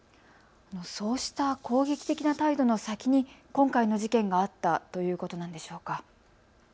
そうした攻撃的な態度の先に今回の事件があったということなんでしょうか。